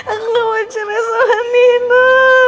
aku nggak mau cerai sama nino